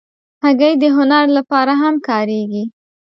هګۍ د هنر لپاره هم کارېږي.